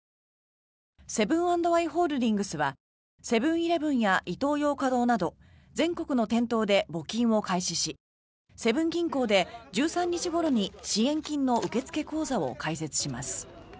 セブン＆アイ・ホールディングスはセブン−イレブンやイトーヨーカドーなど全国の店頭で募金を開始しセブン銀行で１３日ごろに支援金の受付口座を開設します。